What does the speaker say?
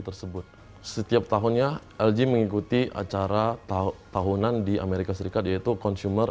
tersebut setiap tahunnya lg mengikuti acara tahunan di amerika serikat yaitu consumer